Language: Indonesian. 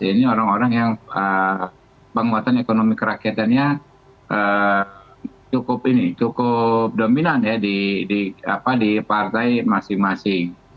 ini orang orang yang penguatan ekonomi kerakyatannya cukup ini cukup dominan ya di partai masing masing